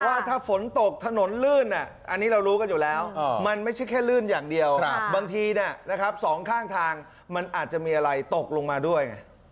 ว่าถ้าฝนตกถนนลื่นอันนี้เรารู้กันอยู่แล้วมันไม่ใช่แค่ลื่นอย่างเดียวบางทีสองข้างทางมันอาจจะมีอะไรตกลงมาด้วยไง